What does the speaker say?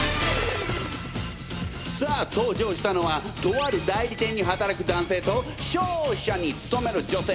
さあ登場したのはとある代理店に働く男性と商社に勤める女性。